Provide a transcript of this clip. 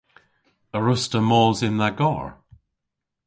A wruss'ta mos yn dha garr?